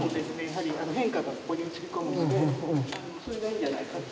やはり変化がここに映り込むのでそれがいいんじゃないかと。